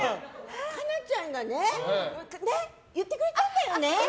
可奈ちゃんが言ってくれたんだよね。